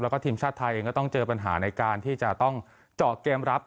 แล้วก็ทีมชาติไทยเองก็ต้องเจอปัญหาในการที่จะต้องเจาะเกมรับ